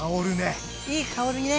いい香りね。